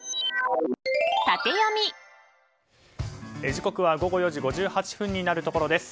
時刻は午後４時５８分になるところです。